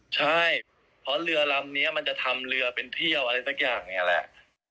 ใช่เพราะเรือลำนี้มันจะทำเรือเป็นเที่ยวอะไรสักอย่างเนี่ยแหละ